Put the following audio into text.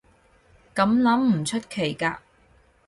噉諗唔出奇㗎